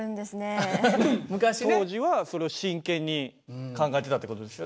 当時はそれを真剣に考えてたって事ですよね。